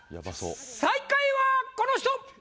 最下位はこの人！